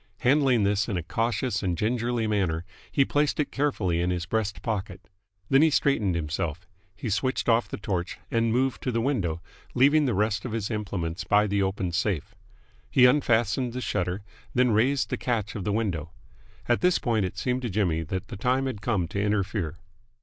Handling this in a cautious and gingerly manner, he placed it carefully in his breast pocket. Then he straightened himself. He switched off the torch, and moved to the window, leaving the rest of his implements by the open safe. He unfastened the shutter, then raised the catch of the window. At this point it seemed to Jimmy that the time had come to interfere.